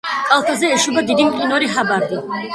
კალთაზე ეშვება დიდი მყინვარი ჰაბარდი.